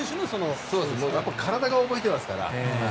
体が覚えていますから。